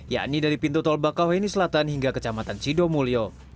yakni dari pintu tol bakauheni selatan hingga kecamatan sidomulyo